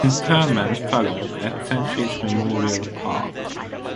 Interment followed at Centuries Memorial Park.